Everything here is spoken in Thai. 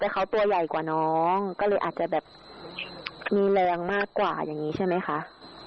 แต่เขาตัวใหญ่กว่าน้องก็เลยอาจจะแบบมีแรงมากกว่าอย่างนี้ใช่ไหมคะ